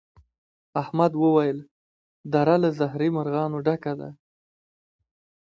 احمد وويل: دره له زهري مرغانو ډکه ده.